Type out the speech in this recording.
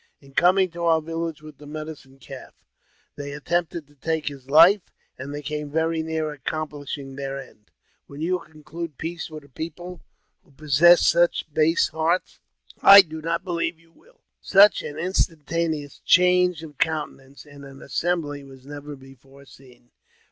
In coming to our village with the Medicine Calf, they attempted to take his life, and came very near accomplishing their end. Will you conclude peace with a people who possess such base hearts? I do not believe you will." Such an instantaneous change of countenance in an assembly was never before seen.